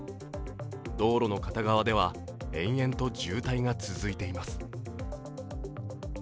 道路の片側では延々と渋滞が続いています。